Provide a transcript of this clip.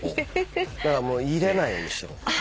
だから入れないようにしてる。